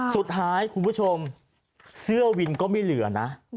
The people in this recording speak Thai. คุณผู้ชมเสื้อวินก็ไม่เหลือนะ